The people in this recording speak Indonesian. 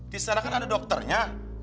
di sana kan ada dokternya